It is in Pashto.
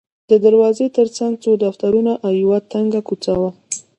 د دروازې ترڅنګ څو دفترونه او یوه تنګه کوڅه وه.